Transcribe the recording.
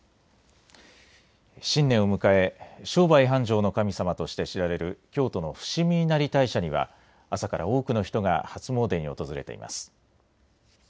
新年を迎え商売繁盛の神様として知られる京都の伏見稲荷大社には朝から多くの人が初詣に訪れています。